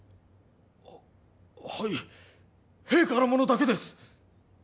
あッはい陛下のものだけです